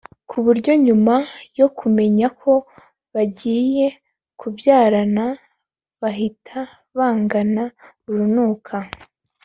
ku buryo nyuma yo kumenya ko bagiye kubyarana bahita bangana urunuka